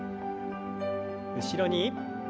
後ろに。